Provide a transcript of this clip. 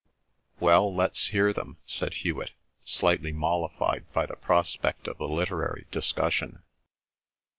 "Well, let's hear them," said Hewet, slightly mollified by the prospect of a literary discussion.